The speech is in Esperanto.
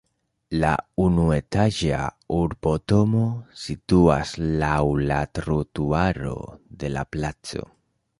La unuetaĝa urbodomo situas laŭ la trotuaro de la placo.